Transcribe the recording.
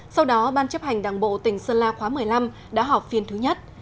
sau đó ban chấp hành đảng bộ tỉnh sơn la khóa một mươi năm đã họp phiên thứ nhất